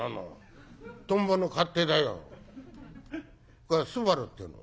それから『昴』っていうの。